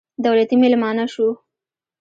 دولتي مېلمانه شوو.